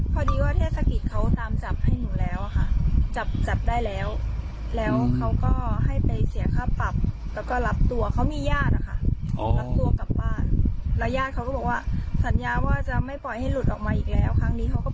สัญญาว่าจะไม่ปล่อยให้หลุดออกมาอีกแล้วครั้งนี้เขาก็ปล่อยหลุดออกมา